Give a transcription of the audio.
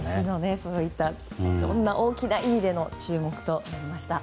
いろんな大きな意味での注目となりました。